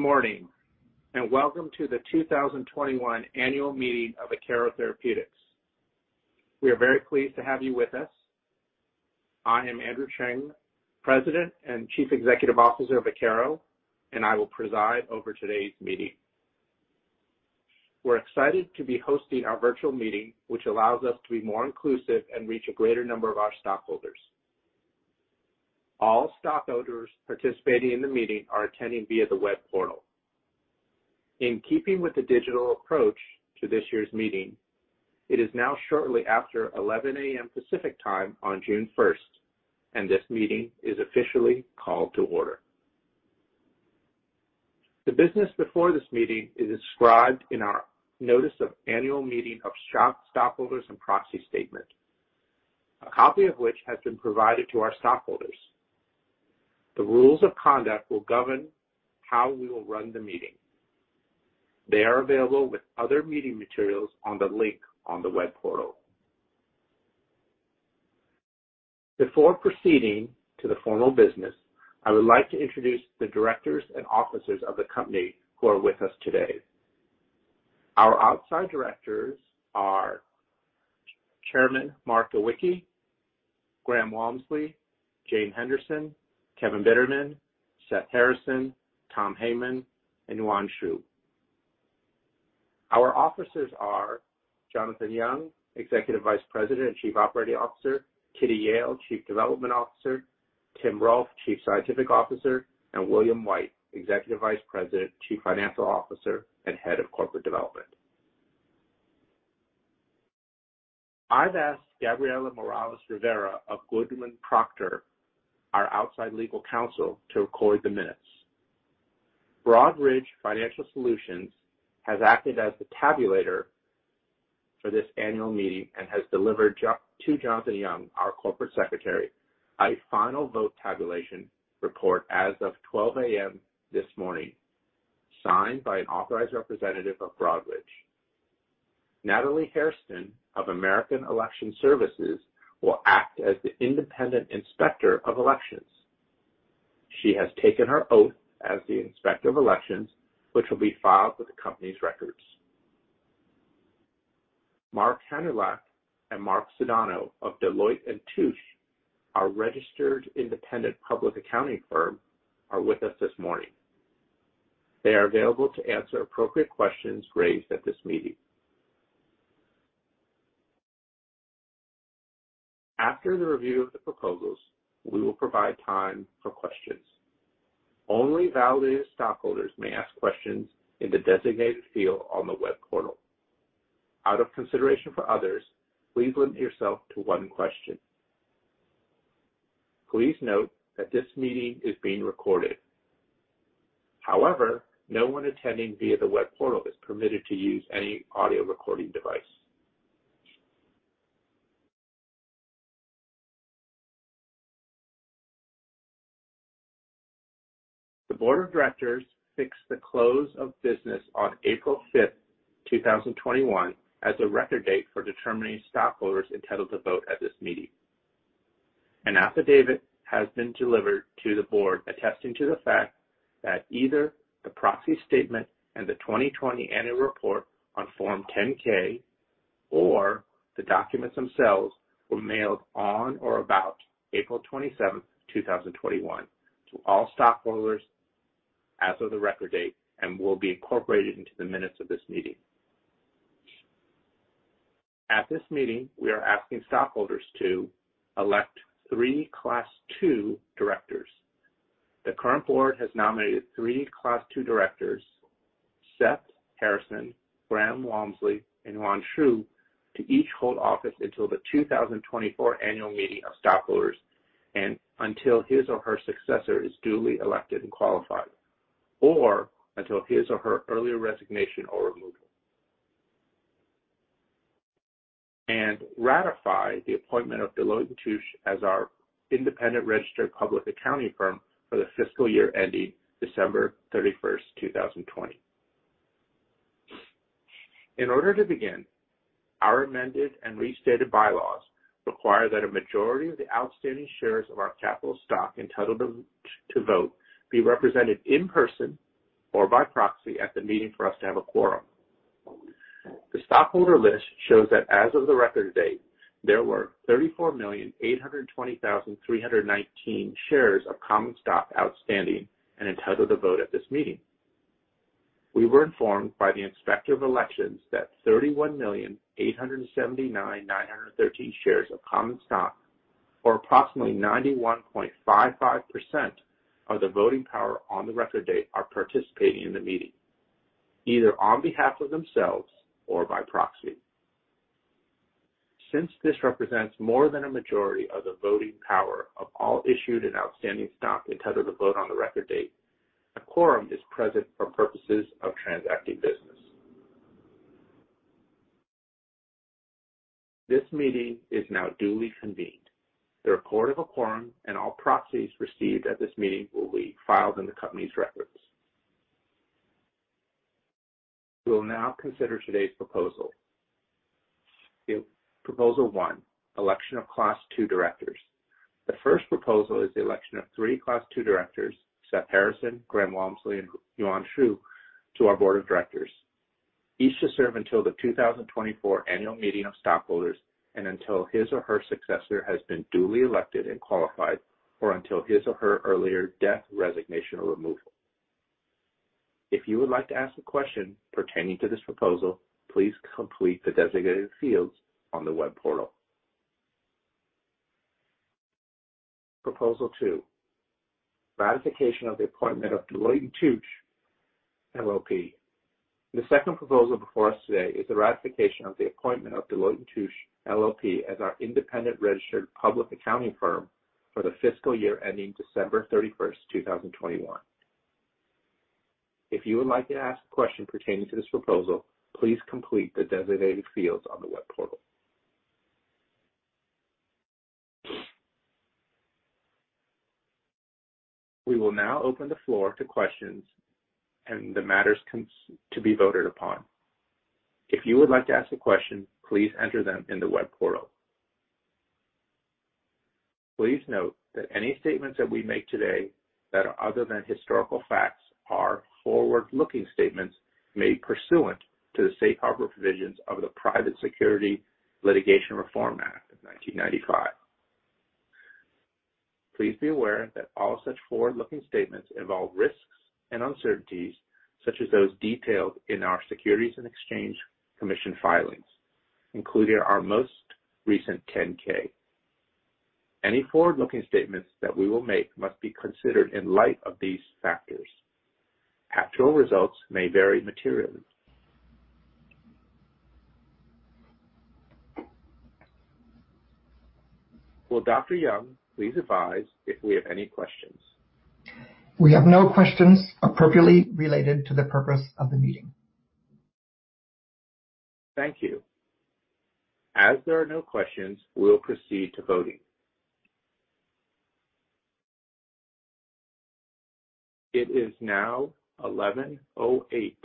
Good morning, and welcome to the 2021 annual meeting of Akero Therapeutics. We are very pleased to have you with us. I am Andrew Cheng, President and Chief Executive Officer of Akero, and I will preside over today's meeting. We're excited to be hosting our virtual meeting, which allows us to be more inclusive and reach a greater number of our stockholders. All stockholders participating in the meeting are attending via the web portal. In keeping with the digital approach to this year's meeting, it is now shortly after 11:00 A.M. Pacific Time on June 1st, and this meeting is officially called to order. The business before this meeting is described in our notice of annual meeting of stockholders and proxy statement, a copy of which has been provided to our stockholders. The rules of conduct will govern how we will run the meeting. They are available with other meeting materials on the link on the web portal. Before proceeding to the formal business, I would like to introduce the directors and officers of the company who are with us today. Our outside directors are Chairman Mark Iwicki, Graham Walmsley, Jane Henderson, Kevin Bitterman, Seth Harrison, Tom Heyman, and Yuan Xu. Our officers are Jonathan Young, Executive Vice President and Chief Operating Officer, Catriona Yale, Chief Development Officer, Tim Rolph, Chief Scientific Officer, and William White, Executive Vice President, Chief Financial Officer, and Head of Corporate Development. I've asked Gabriela Morales-Rivera of Goodwin Procter, our outside legal counsel, to record the minutes. Broadridge Financial Solutions has acted as the tabulator for this annual meeting and has delivered to Jonathan Young, our Corporate Secretary, a final vote tabulation report as of 12:00 A.M. this morning, signed by an authorized representative of Broadridge. Natalie Hairston of American Election Services will act as the independent inspector of elections. She has taken her oath as the inspector of elections, which will be filed with the company's records. Mark Hanulak and Mark Sodano of Deloitte & Touche, our registered independent public accounting firm, are with us this morning. They are available to answer appropriate questions raised at this meeting. After the review of the proposals, we will provide time for questions. Only validated stockholders may ask questions in the designated field on the web portal. Out of consideration for others, please limit yourself to one question. Please note that this meeting is being recorded. However, no one attending via the web portal is permitted to use any audio recording device. The board of directors fixed the close of business on April 5th, 2021, as the record date for determining stockholders entitled to vote at this meeting. An affidavit has been delivered to the board attesting to the fact that either the proxy statement and the 2020 annual report on Form 10-K or the documents themselves were mailed on or about April 27, 2021 to all stockholders as of the record date and will be incorporated into the minutes of this meeting. At this meeting, we are asking stockholders to elect three Class II directors. The current board has nominated three Class II directors, Seth Harrison, Graham Walmsley, and Yuan Xu, to each hold office until the 2024 annual meeting of stockholders and until his or her successor is duly elected and qualified, or until his or her earlier resignation or removal. Ratify the appointment of Deloitte & Touche as our independent registered public accounting firm for the fiscal year ending December 31, 2020. In order to begin, our amended and restated bylaws require that a majority of the outstanding shares of our capital stock entitled to vote be represented in person or by proxy at the meeting for us to have a quorum. The stockholder list shows that as of the record date, there were 34,820,319 shares of common stock outstanding and entitled to vote at this meeting. We were informed by the Inspector of Elections that 31,879,913 shares of common stock, or approximately 91.55% of the voting power on the record date, are participating in the meeting, either on behalf of themselves or by proxy. Since this represents more than a majority of the voting power of all issued and outstanding stock entitled to vote on the record date, a quorum is present for purposes of transacting business. This meeting is now duly convened. The report of a quorum and all proxies received at this meeting will be filed in the company's records. We'll now consider today's proposal. Proposal one, election of Class II directors. The first proposal is the election of three Class II directors, Seth Harrison, Graham Walmsley, and Yuan Xu, to our board of directors. Each to serve until the 2024 annual meeting of stockholders and until his or her successor has been duly elected and qualified, or until his or her earlier death, resignation, or removal. If you would like to ask a question pertaining to this proposal, please complete the designated fields on the web portal. Proposal two, ratification of the appointment of Deloitte & Touche LLP. The second proposal before us today is the ratification of the appointment of Deloitte & Touche LLP as our independent registered public accounting firm for the fiscal year ending December 31, 2021. If you would like to ask a question pertaining to this proposal, please complete the designated fields on the web portal. We will now open the floor to questions and the matters to be voted upon. If you would like to ask a question, please enter them in the web portal. Please note that any statements that we make today that are other than historical facts are forward-looking statements made pursuant to the safe harbor provisions of the Private Securities Litigation Reform Act of 1995. Please be aware that all such forward-looking statements involve risks and uncertainties such as those detailed in our Securities and Exchange Commission filings, including our most recent 10-K. Any forward-looking statements that we will make must be considered in light of these factors. Actual results may vary materially. Will Dr. Young please advise if we have any questions? We have no questions appropriately related to the purpose of the meeting. Thank you. As there are no questions, we will proceed to voting. It is now 11:08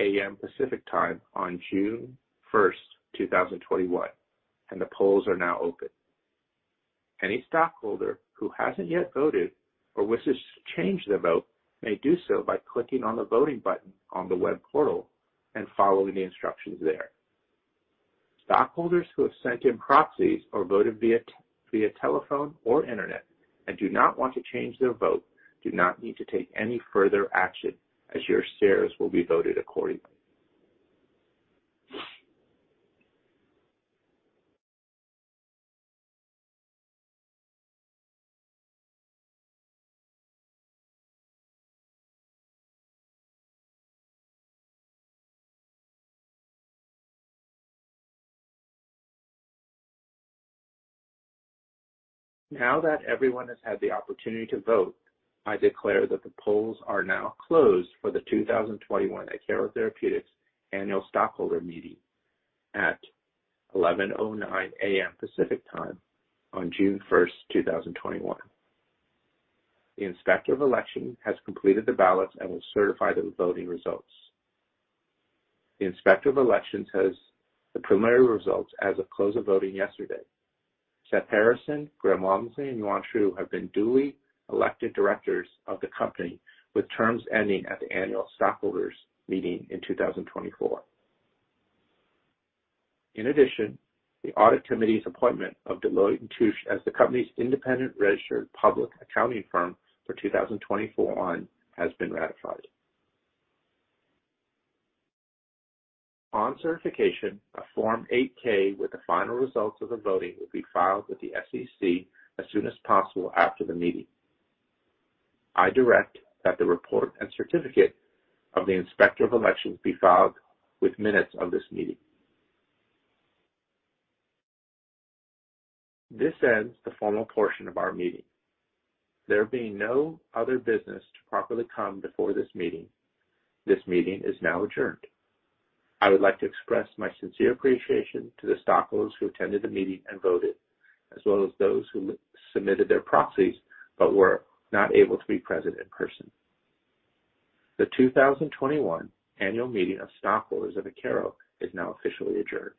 A.M. Pacific Time on June 1st, 2021, and the polls are now open. Any stockholder who hasn't yet voted or wishes to change their vote may do so by clicking on the voting button on the web portal and following the instructions there. Stockholders who have sent in proxies or voted via telephone or internet and do not want to change their vote do not need to take any further action as your shares will be voted accordingly. Now that everyone has had the opportunity to vote, I declare that the polls are now closed for the 2021 Akero Therapeutics annual stockholder meeting at 11:09 A.M. Pacific Time on June 1st, 2021. The Inspector of Elections has completed the ballots and will certify those voting results. The Inspector of Elections has the preliminary results as of close of voting yesterday. Seth Harrison, Graham Walmsley, and Yuan Xu have been duly elected directors of the company, with terms ending at the annual stockholders meeting in 2024. In addition, the Audit Committee's appointment of Deloitte & Touche as the company's independent registered public accounting firm for 2024 has been ratified. On certification, a Form 8-K with the final results of the voting will be filed with the SEC as soon as possible after the meeting. I direct that the report and certificate of the Inspector of Elections be filed with minutes of this meeting. This ends the formal portion of our meeting. There being no other business to properly come before this meeting, this meeting is now adjourned. I would like to express my sincere appreciation to the stockholders who attended the meeting and voted, as well as those who submitted their proxies but were not able to be present in person. The 2021 annual meeting of stockholders of Akero is now officially adjourned.